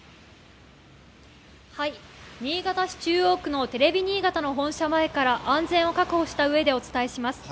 新潟市中央区のテレビ新潟の本社前から安全を確保した上でお伝えします。